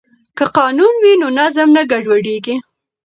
که قانون وي نو نظم نه ګډوډیږي.